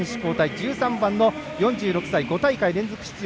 １３番の、４６歳５大会連続出場